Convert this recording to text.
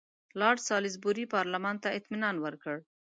لارډ سالیزبوري پارلمان ته اطمینان ورکړ.